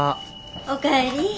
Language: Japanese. おかえり。